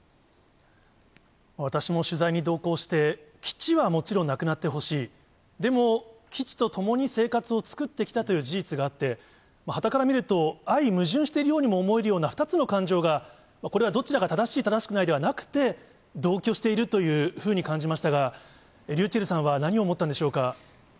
私も取材に同行して、基地はもちろんなくなってほしい、でも基地と共に生活を作ってきたという事実があって、はたから見ると相矛盾しているようにも思えるような２つの感情が、これはどちらが正しい、正しくないではなくて、同居しているというふうに感じましたが、ｒｙｕｃｈｅｌｌさんは何を思ったんでしょうか。